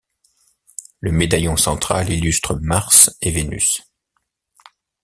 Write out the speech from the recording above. Le médaillon central illustre Mars et Vénus.